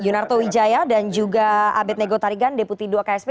yunarto wijaya dan juga abed nego tarigan deputi dua ksp